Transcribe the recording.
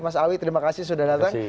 mas awi terima kasih sudah datang